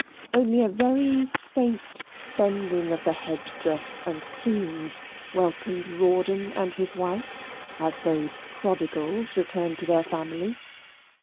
Only a very faint bending of the head dress and plumes welcomed Rawdon and his wife, as those prodigals returned to their family.